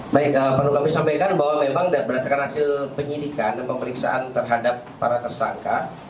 baik perlu kami sampaikan bahwa memang berdasarkan hasil penyidikan dan pemeriksaan terhadap para tersangka